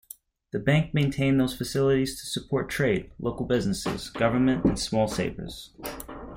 The bank maintained those facilities to support trade, local business, government and small savers.